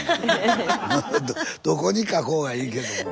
どこに書こうがいいけども。